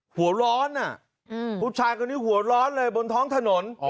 หัวร้อนผู้ชายคนนี้หัวร้อนเลยบนท้องถนน